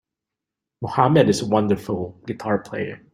Mohammed is a wonderful guitar player.